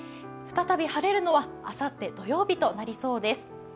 再び晴れるのはあさって土曜日となりそうです。